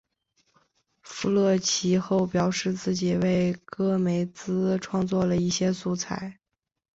富勒其后表示自己为戈梅兹创作了一些素材。